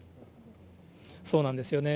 そうなんですよね。